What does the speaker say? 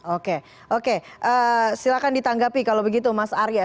oke oke silakan ditanggapi kalau begitu mas arya